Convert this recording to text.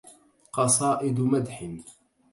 قصائد مدح